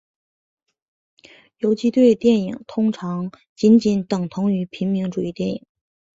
游击队电影通常仅仅等同于平民主义电影。